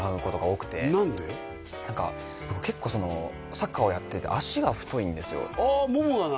何か僕結構そのサッカーをやってて脚が太いんですよああももがな？